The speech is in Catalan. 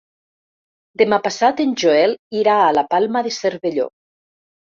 Demà passat en Joel irà a la Palma de Cervelló.